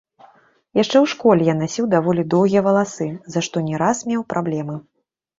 Яшчэ ў школе я насіў даволі доўгія валасы, за што не раз меў праблемы.